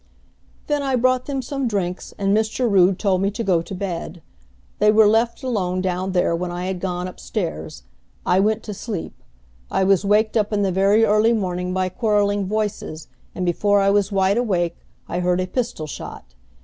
"Then I brought them some drinks, and Mr. Rood told me to go to bed. They were left alone down there when I had gone up stairs. I went to sleep. I was waked up in the very early morning by quarreling voices, and before I was wide awake I heard a pistol shot.